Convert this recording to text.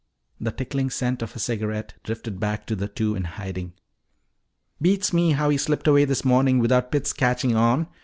The tickling scent of a cigarette drifted back to the two in hiding. "Beats me how he slipped away this morning without Pitts catching on.